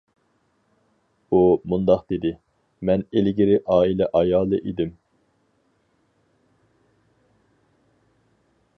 ئۇ مۇنداق دېدى: مەن ئىلگىرى ئائىلە ئايالى ئىدىم.